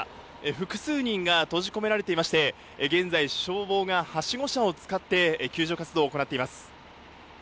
複数人が閉じ込められていまして、現在、消防がはしご車を使って救助活動を行っています。